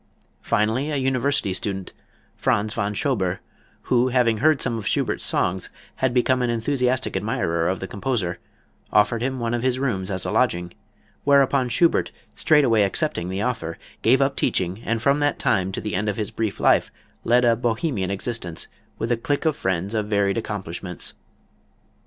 Finally a university student, Franz von Schober, who, having heard some of Schubert's songs, had become an enthusiastic admirer of the composer, offered him one of his rooms as a lodging, whereupon Schubert, straightway accepting the offer, gave up teaching and from that time to the end of his brief life led a Bohemian existence with a clique of friends of varied accomplishments.